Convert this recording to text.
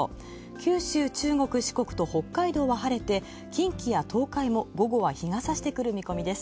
九州、中国、四国と北海道は晴れて近畿や東海も午後は日が差してくる見込みです。